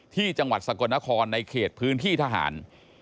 ที่จังหวัดสกลนครในเขตพื้นที่ทหาร